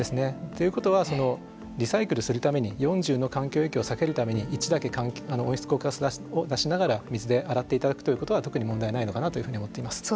ということはリサイクルするために４０の環境影響を避けるために１だけ温室効果ガスを出しながら水で洗っていただくということは特に問題ないのかなというふうに思っています。